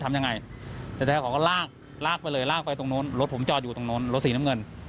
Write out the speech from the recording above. ตรงโน้นรถสีน้ำเงิน